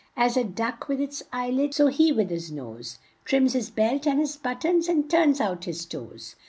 As a duck with its eye lids, so he with his nose Trims his belt and his but tons, and turns out his toes."